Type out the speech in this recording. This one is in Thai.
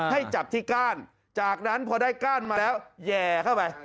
ให้จับที่ก้านจากนั้นพอได้ก้านมาแล้วแห่เข้าไป